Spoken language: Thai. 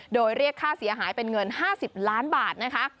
โดยเรียกค่าเสียหายเป็นเงิน๕๐ล้านบาทนะคะ